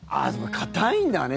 堅いんだね。